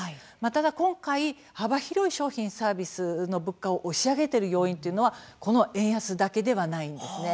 ただ、今回、幅広い商品サービスの物価を押し上げている要因というのはこの円安だけではないんですね。